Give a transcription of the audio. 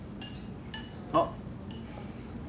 あっ。